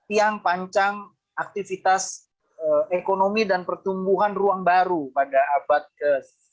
yang pancang aktivitas ekonomi dan pertumbuhan ruang baru pada abad ke sembilan belas